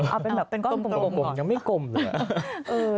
เอาเป็นกล้องกลมยังไม่กลมเลย